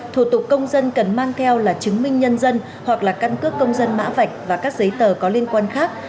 thủ tục công dân cần mang theo là chứng minh nhân dân hoặc là căn cước công dân mã vạch và các giấy tờ có liên quan khác